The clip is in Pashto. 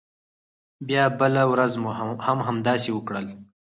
بیا بله ورځ مو هم همداسې وکړل.